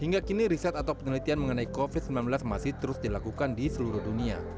hingga kini riset atau penelitian mengenai covid sembilan belas masih terus dilakukan di seluruh dunia